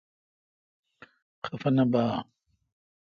خفہ نہ بہ اؘ۔